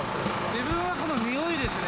自分はこの匂いですね。